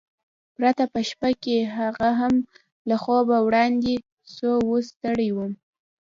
پرته په شپه کې، هغه هم له خوبه وړاندې، خو اوس ستړی وم.